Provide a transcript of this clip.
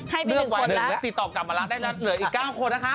ให้เป็น๑คนละตีตอบกลับละได้แล้วเหลืออีก๙คนนะคะ